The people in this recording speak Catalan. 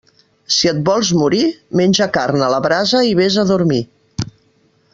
Si et vols morir, menja carn a la brasa i vés a dormir.